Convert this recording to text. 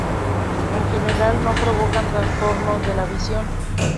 En general no provocan trastornos de la visión.